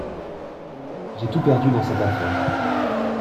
J’ai tout perdu dans cette affaire.